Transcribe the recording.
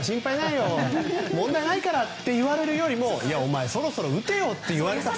みんなから大丈夫だよ、心配ないよ問題ないからって言われるよりもお前、そろそろ打てよって言われたほうが。